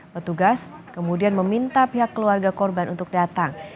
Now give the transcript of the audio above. petugas kemudian meminta pihak keluarga korban untuk datang